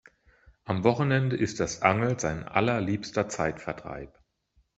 Am Wochenende ist das Angeln sein allerliebster Zeitvertreib.